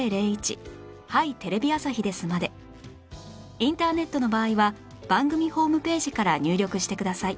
インターネットの場合は番組ホームページから入力してください